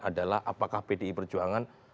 adalah apakah pdi perjuangan